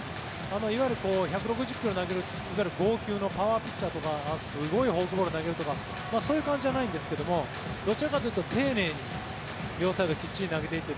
いわゆる１６０ｋｍ投げる剛球のパワーピッチャーとかすごいフォークボールを投げるとかそういう感じじゃないんですがどちらかというと丁寧に両サイド、きっちり投げていって